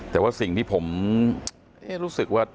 แต่ว่าสิ่งที่ผมรู้สึกว่า